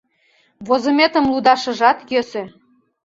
Возыметым лудашыжат йӧсӧ.